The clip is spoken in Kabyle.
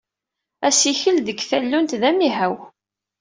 Assikel deg tallunt d amihaw.